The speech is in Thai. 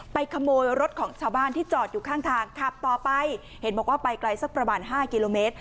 ขโมยรถของชาวบ้านที่จอดอยู่ข้างทางขับต่อไปเห็นบอกว่าไปไกลสักประมาณห้ากิโลเมตร